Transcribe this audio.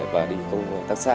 và đi công an tắc xa